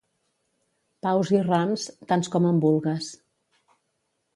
Paus i rams, tants com en vulgues.